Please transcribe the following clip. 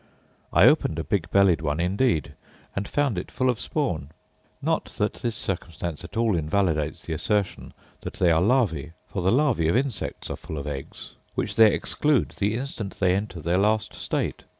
I opened a big bellied one indeed, and found it full of spawn. Not that this circumstance at all invalidates the assertion that they are larvae: for the larvae of insects are full of eggs, which they exclude the instant they enter their last state.